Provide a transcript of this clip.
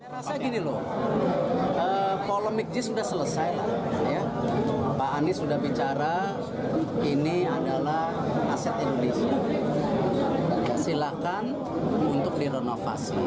saya rasa gini loh polemik jis sudah selesai lah ya pak anies sudah bicara ini adalah aset indonesia silahkan untuk direnovasi